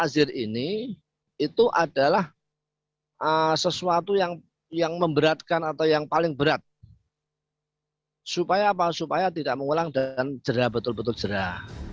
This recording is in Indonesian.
supaya apa supaya tidak mengulang dan jerah betul betul jerah